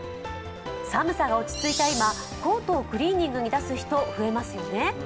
寒さが落ち着いた今、コートをクリーニングに出す人増えますよね。